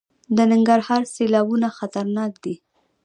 د ننګرهار سیلابونه خطرناک دي